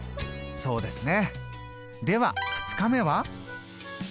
そうですね。